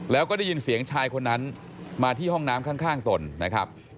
แล้วก็ได้ยินเสียงชายคนนั้นมาที่ห้องน้ำข้างตนนะครับ